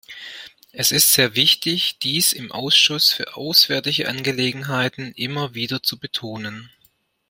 Es ist sehr wichtig, dies im Ausschuss für auswärtige Angelegenheiten immer wieder zu betonen.